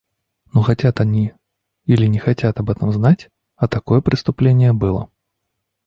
Но хотят они или не хотят об этом знать, а такое преступление было.